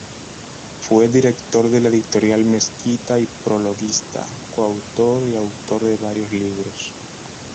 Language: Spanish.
Fue director de la Editorial Mezquita y prologuista, coautor y autor de varios libros.